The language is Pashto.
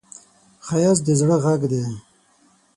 ښایست د زړه غږ دی